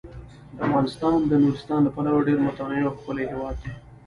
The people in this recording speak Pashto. افغانستان د نورستان له پلوه یو ډیر متنوع او ښکلی هیواد دی.